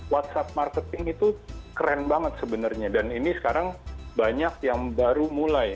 whatsapp marketing itu keren banget sebenarnya dan ini sekarang banyak yang baru mulai